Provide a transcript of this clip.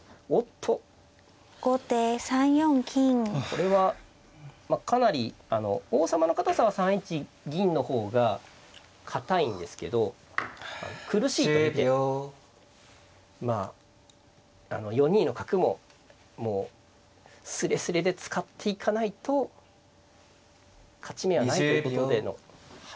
これはかなり王様の堅さは３一銀の方が堅いんですけど苦しいと見てまあ４二の角ももうすれすれで使っていかないと勝ち目はないということでの勝負手ですね。